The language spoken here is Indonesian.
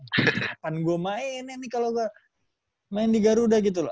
kenapa gue main ya nih kalo gue main di garuda gitu loh